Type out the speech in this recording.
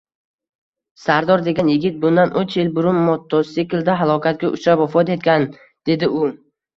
Sardor degan yigit bundan uch yil burun motosiklda halokatga uchrab vafot etgan, dedi u